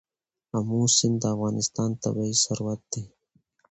آمو سیند د افغانستان طبعي ثروت دی.